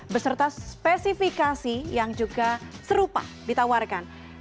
beserta spesifikasi yang juga serupa ditawarkan